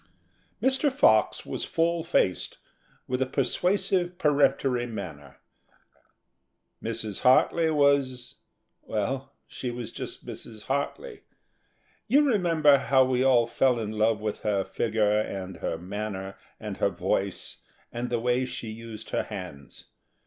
Mr. Fox was full faced, with a persuasive, peremptory manner. Mrs. Hartly was well, she was just Mrs. Hartly. You remember how we all fell in love with her figure and her manner, and her voice, and the way she used her hands.